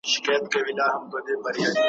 اتمه نکته.